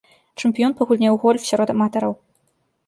Чэмпіён па гульне ў гольф сярод аматараў.